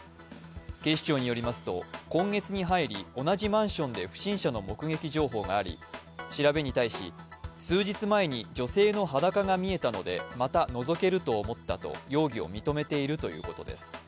警視庁によりますと、今月に入り同じマンションで不審者の目撃情報があり、調べに対して、数日前に女性の裸が見えたので、またのぞけると思ったと容疑を認めているということです。